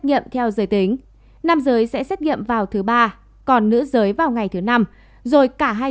nghiệm theo giới tính nam giới sẽ xét nghiệm vào thứ ba còn nữ giới vào ngày thứ năm rồi cả hai